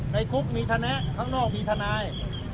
ในคุกมีธนะข้างนอกมีทนาย